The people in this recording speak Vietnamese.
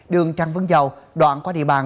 đường trăng vân dầu đoạn qua địa bàn